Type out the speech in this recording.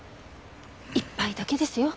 １杯だけですよ。